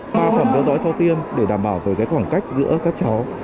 ba phòng theo dõi sau tiêm để đảm bảo về khoảng cách giữa các cháu